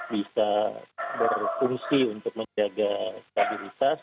bisa berfungsi untuk menjaga stabilitas